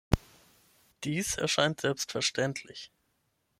Dies erscheint selbstverständlich.